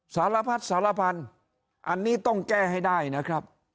สารพัดสารพันธุ์อันนี้ต้องแก้ให้ได้นะครับ